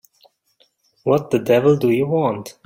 What the devil do you want?